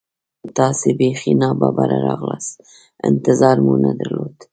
تاسې بیخي نا ببره راغلاست، انتظار مو نه درلود.